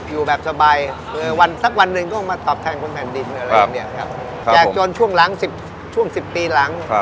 อยู่แบบสบายสักวันหนึ่งก็มาตอบแทนคนแผ่นดินแจกจนช่วง๑๐ปีหลัง